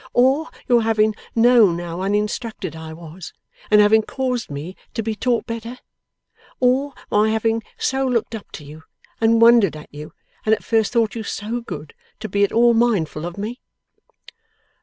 Or, your having known how uninstructed I was, and having caused me to be taught better? Or, my having so looked up to you and wondered at you, and at first thought you so good to be at all mindful of me?